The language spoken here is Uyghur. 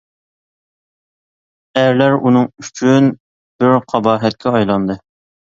ئەرلەر ئۇنىڭ ئۈچۈن بىر قاباھەتكە ئايلاندى.